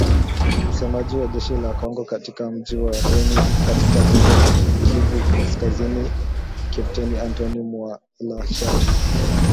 Msemaji wa jeshi la Kongo katika mji wa Beni katika jimbo la Kivu Kaskazini, Kepteni Antony Mualushayi.